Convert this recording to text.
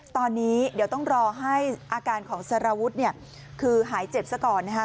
ตอนนี้เดี๋ยวต้องรอให้อาการของสารวุฒิเนี่ยคือหายเจ็บซะก่อนนะคะ